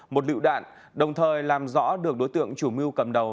một lựu đạn đồng thời làm rõ được đối tượng chủ mưu cầm đầu